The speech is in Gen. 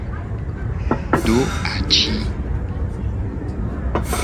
Do aci.